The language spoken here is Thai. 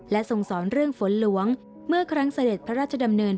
ทรงสอนเรื่องฝนหลวงเมื่อครั้งเสด็จพระราชดำเนิน